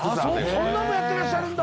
そんなんもやってらっしゃるんだ